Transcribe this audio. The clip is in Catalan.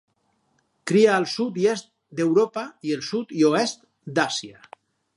Cria al sud i est d'Europa i el sud i oest d'Àsia.